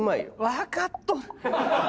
分かっとる！